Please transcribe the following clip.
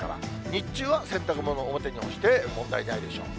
日中は洗濯物を表に干して問題ないでしょう。